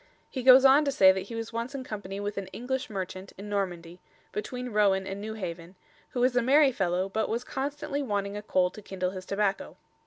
He goes on to say that he was once in company with an English merchant in Normandy "betweene Rowen and New haven" who was a merry fellow, but was constantly wanting a coal to kindle his tobacco.